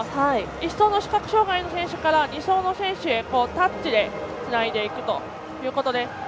１走の視覚障がいの選手から２走の選手へタッチでつないでいくということです。